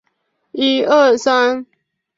早年很被朱圭看重。